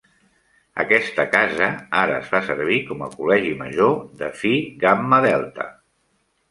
Aquesta casa ara es fa servir com a col·legi major de Phi Gamma Delta.